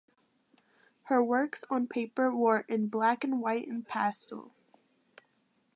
Her works on paper were in black and white and pastel.